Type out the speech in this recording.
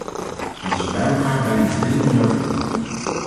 Dat is bij elkaar bijna drie miljard euro.